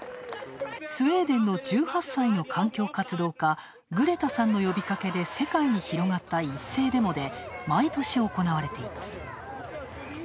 スウェーデンの１８歳の環境活動家グレタさんの呼びかけで世界に広がった一斉デモで、毎年行われています。